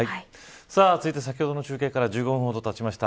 続いて先ほどの中継から１５分ほどたちました。